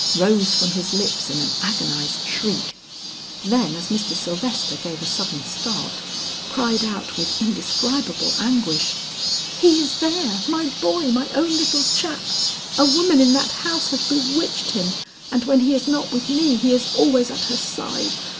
rose from his lips in an agonized shriek; then as Mr. Sylvester gave a sudden start, cried out with indiscribable anguish, "He is there, my boy, my own little chap! A woman in that house has bewitched him, and when he is not with me, he is always at her side.